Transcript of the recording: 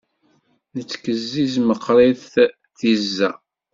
Nettkezziz meqrit tizza.